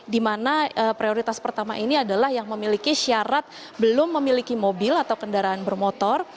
di mana prioritas pertama ini adalah yang memiliki syarat belum memiliki mobil atau kendaraan bermotor